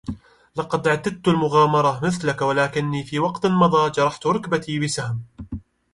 لقد اعتدت المغامرة مثلك ولكن في وقت مضى جرحت ركبتي بسهم.